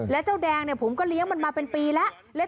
แล้วเจ้าแดงผมก็เลี้ยงมันมาเป็นปีแล้ว